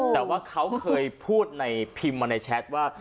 แต่ว่าเขาเคยพูดในพิมพ์มาในแชทว่า